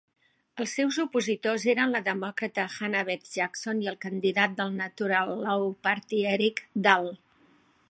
Els seus opositors eren la demòcrata Hannah-Beth Jackson i el candidat del Natural Law Party Eric Dahl.